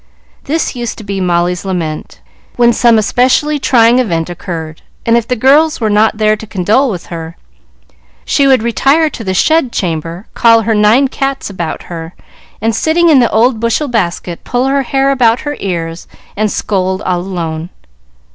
This used to be Molly's lament, when some especially trying event occurred, and if the girls were not there to condole with her, she would retire to the shed chamber, call her nine cats about her, and, sitting in the old bushel basket, pull her hair about her ears, and scold all alone.